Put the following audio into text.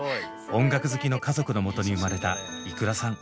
音楽好きの家族のもとに生まれたｉｋｕｒａさん。